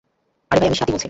আরে ভাই, আমি সাতই বলছি।